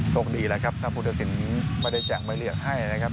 โชคดีแล้วครับถ้าพุทธศิลป์ไม่ได้แจกไม่เรียกให้นะครับ